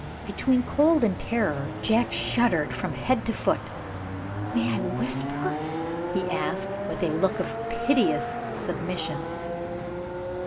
Between cold and terror, Jack shuddered from head to foot. "May I whisper?" he asked, with a look of piteous submission.